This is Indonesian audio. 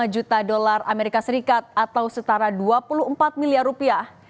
lima juta dolar amerika serikat atau setara dua puluh empat miliar rupiah